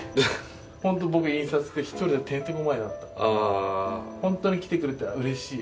本当僕印刷で１人でてんてこ舞いだったから本当に来てくれてうれしい。